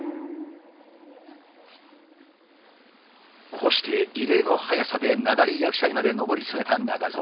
こうして異例の速さで名題役者にまで上り詰めた中蔵。